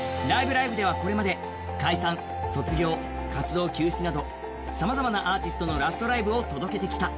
ライブ！」ではこれまで解散、卒業、活動休止などさまざまなアーティストのラストライブを届けてきた。